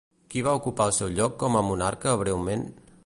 Qui va ocupar el seu lloc com a monarca breument?